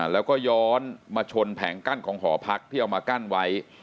แล้วก็ย้อนมาชนแผงกั้นของหอพักที่เอามากั้นไว้